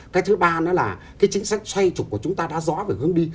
cái thứ ba nữa là cái chính sách xoay trục của chúng ta đã rõ về hướng đi